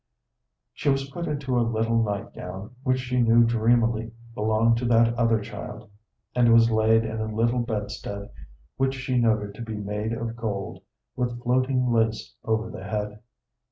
She was put into a little night gown which she knew dreamily belonged to that other child, and was laid in a little bedstead which she noted to be made of gold, with floating lace over the head.